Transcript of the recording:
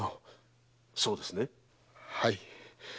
はい。